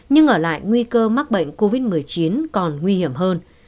nhưng ở lại nguy cơ mắc bệnh covid một mươi chín còn nguy hiểm hơn